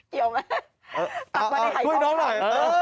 เกี่ยวไหมปรับมาได้ไห่ทองคำ